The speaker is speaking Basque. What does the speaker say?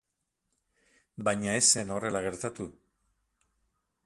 Baina ez zen horrela gertatu.